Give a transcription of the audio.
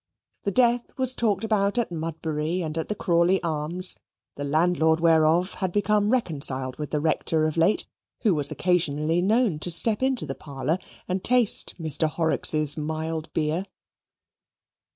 The death was talked about at Mudbury and at the Crawley Arms, the landlord whereof had become reconciled with the Rector of late, who was occasionally known to step into the parlour and taste Mr. Horrocks' mild beer.